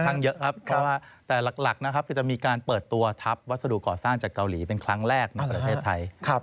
เยอะครับเพราะว่าแต่หลักนะครับคือจะมีการเปิดตัวทัพวัสดุก่อสร้างจากเกาหลีเป็นครั้งแรกในประเทศไทย